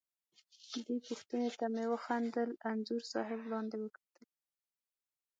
دې پوښتنې ته مې وخندل، انځور صاحب لاندې وکتل.